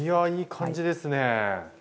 いやいい感じですね！